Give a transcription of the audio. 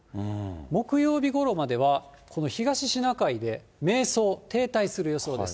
木曜日ごろまでは、この東シナ海で迷走、停滞する予想です。